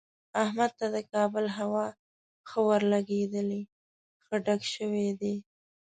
احمد ته د کابل هوا ښه ورلګېدلې، ښه ډک شوی دی.